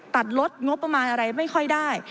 ตัดลดงบประมาณอะไรไม่ค่อยได้